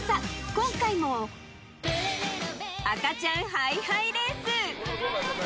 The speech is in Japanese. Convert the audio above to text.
今回も、赤ちゃんハイハイレース。